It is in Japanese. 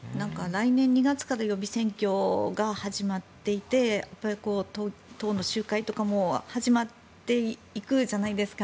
来年２月から予備選挙が始まっていって党の集会とかも始まっていくじゃないですか。